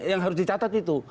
yang harus dicatat itu